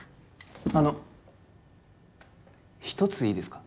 あの一ついいですか？